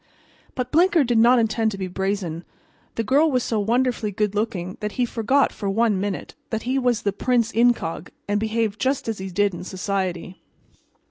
But Blinker did not intend to be brazen; the girl was so wonderfully good looking that he forgot for one minute that he was the prince incog, and behaved just as he did in society.